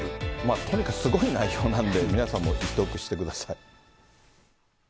とにかくすごい内容なんで、皆さんも一読してください。